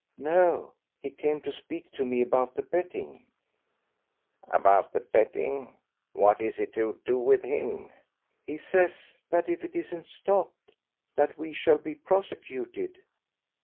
"No, he came to speak to me about the betting." "About the betting what is it to do with him?" "He says that if it isn't stopped that we shall be prosecuted."